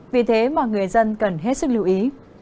vì thế mà người dân cần hết sức lưu ý